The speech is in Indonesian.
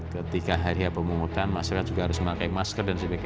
ketika hari hari pemungutan masyarakat juga harus memakai masker dan sebagainya